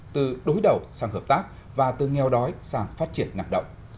từ đối đầu sang hợp tác và từ nghèo đói sang phát triển nặng động